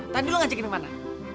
tadi lo ngajakin yang mana